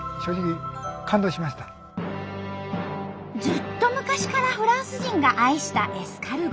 ずっと昔からフランス人が愛したエスカルゴ。